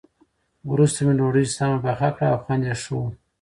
وروسته مې ډوډۍ سمه پخه کړه او خوند یې ښه و.